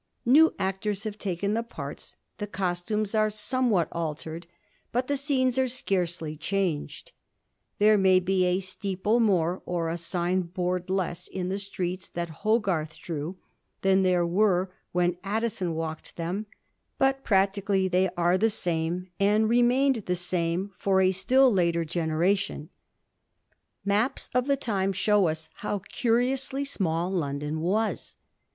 Xew actors have taken the parts ; the costumes are somewhat altered, but the scenes are scarcely changed. There may be a steeple more or a signboard less in the streets that Hogarth drew, than there were when Addison walked them, but practically they are the same, and remained the same for a still later genera Digiti zed by Google 86 A HISTORY OF THE FOUR GEORGES. ch. t. tion. Maps of the time show us how curiously small London was.